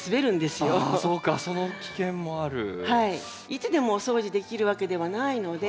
いつでもお掃除できるわけではないので。